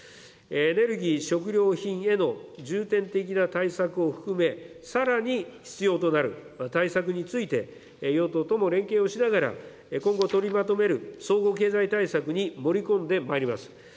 エネルギー、食料品への重点的な対策を含め、さらに必要となる対策について、与党とも連携をしながら、今後取りまとめる総合経済対策に盛り込んでまいります。